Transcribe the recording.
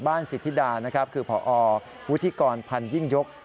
บ้านสิทธิดาคือผอวุฒิกรพันธุ์ยิ่งยก